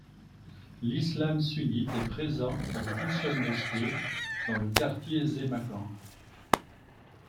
L'islam sunnite est présent avec une seule mosquée dans le quartier Zémakan.